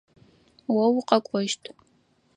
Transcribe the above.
О укъэкӏощт.